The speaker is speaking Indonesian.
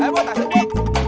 eh bu tasik bu